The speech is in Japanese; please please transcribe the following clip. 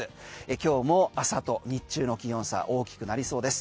今日も朝と日中の気温差大きくなりそうです。